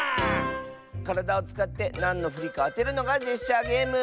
からだをつかってなんのフリかあてるのがジェスチャーゲーム！